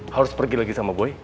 harus pergi lagi sama boy